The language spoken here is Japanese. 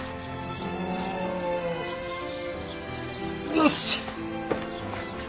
よし！